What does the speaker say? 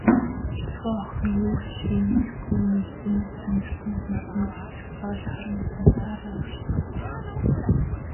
Бяцхан охин хариу юу хэлэхээ мэдэхгүй, мэгдэн сандарснаас номхон зогсож, доош харан хумсаараа оролдов.